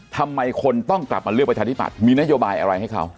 ทำไมคนต้องกลับมาเลือกประชาธิบัตย์มีนโยบายอะไรให้เขา